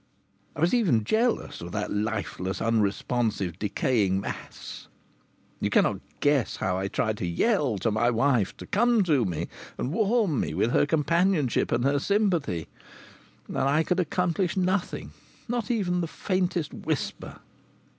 I was even jealous of that lifeless, unresponsive, decaying mass. You cannot guess how I tried to yell to my wife to come to me and warm me with her companionship and her sympathy and I could accomplish nothing, not the faintest whisper.